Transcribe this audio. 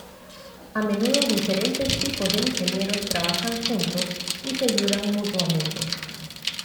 A menudo, diferentes tipos de ingenieros trabajan juntos y se ayudan mutuamente.